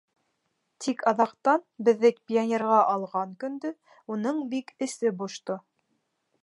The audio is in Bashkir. Тик аҙаҡтан, беҙҙе пионерға алған көндө, уның бик эсе бошто.